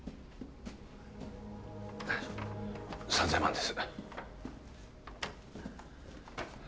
３０００万です